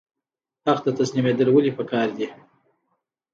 حق ته تسلیمیدل ولې پکار دي؟